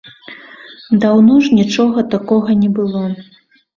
Даўно ж нічога такога не было.